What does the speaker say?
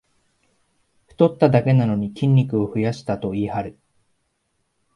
太っただけなのに筋肉を増やしたと言いはる